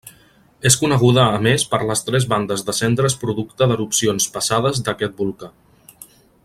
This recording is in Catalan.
És coneguda a més per les tres bandes de cendres producte d'erupcions passades d'aquest volcà.